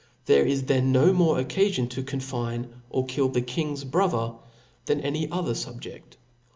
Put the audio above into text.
There is then no more occafion to confine or , kill the king's brother, than any other fubjedk.